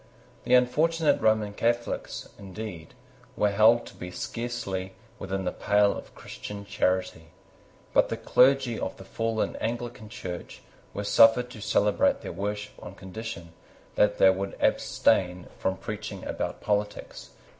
The unfortunate Roman Catholics, indeed, were held to be scarcely within the pale of Christian charity. But the clergy of the fallen Anglican Church were suffered to celebrate their worship on condition that they would abstain from preaching about politics.